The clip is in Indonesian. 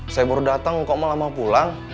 saya baru datang kok mau lama pulang